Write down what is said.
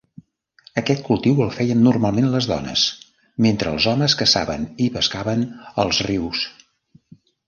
Aquest cultiu el feien normalment les dones, mentre els homes caçaven i pescaven als rius.